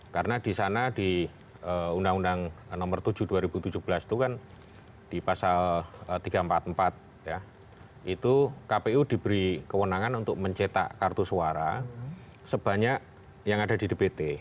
karena di sana di undang undang nomor tujuh dua ribu tujuh belas itu kan di pasal tiga ratus empat puluh empat ya itu kpu diberi kewenangan untuk mencetak kartu suara sebanyak yang ada di dbt